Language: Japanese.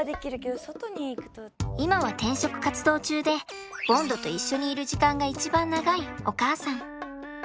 今は転職活動中でボンドと一緒にいる時間が一番長いお母さん。